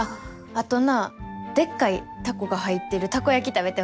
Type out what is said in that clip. あとなぁでっかいタコが入ってるタコ焼き食べてほしい。